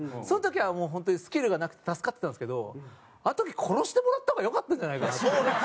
その時はもう本当にスキルがなくて助かってたんですけどあの時殺してもらった方がよかったんじゃないかなって。